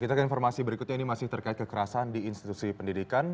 kita ke informasi berikutnya ini masih terkait kekerasan di institusi pendidikan